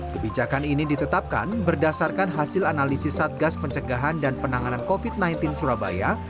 kebijakan ini ditetapkan berdasarkan hasil analisis satgas pencegahan dan penanganan covid sembilan belas surabaya